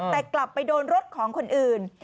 แต่กลับไปโดนรถของคนอื่น